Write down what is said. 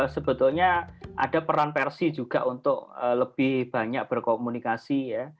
sebetulnya ada peran versi juga untuk lebih banyak berkomunikasi ya